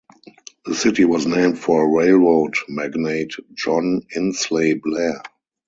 The city was named for railroad magnate John Insley Blair.